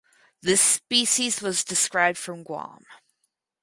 This species was described from Guam.